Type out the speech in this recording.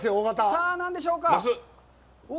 さあ何でしょうか？